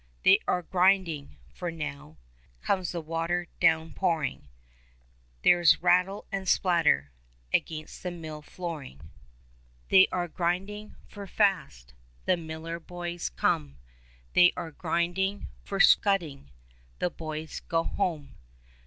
They are grinding ; for now Comes the water downpouring — There's rattle and splatter Against the mill flooring. lOI 102 THE CHILDREN'S WONDER BOOK. They are grinding ; for fast The miller boys come ; They are grinding ; for, scudding, The boys go home.